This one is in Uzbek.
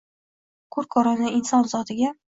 Koʼr-koʼrona inson zotiga